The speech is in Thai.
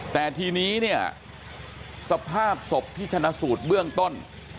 แต่ทีนี้เนี่ยสภาพศพที่ชนะสูตรเบื้องต้น